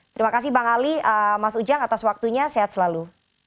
terima kasih bang ali mas ujang atas waktunya sehat selalu